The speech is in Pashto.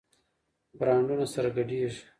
برانډونه سره ګډېږي.